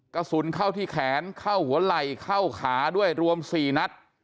กระสุนเข้าที่แขนเข้าหัวไหล่เข้าขาด้วยรวม๔นัด